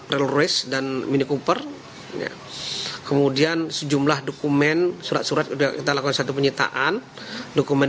domres dan mini cooper kemudian sejumlah dokumen surat surat udah kita lakukan satu penyitaan